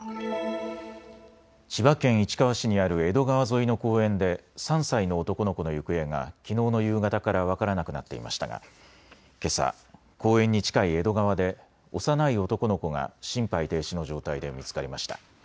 千葉県市川市にある江戸川沿いの公園で３歳の男の子の行方がきのうの夕方から分からなくなっていましたがけさ公園に近い江戸川で幼い男の子が心肺停止の状態で見つかりました。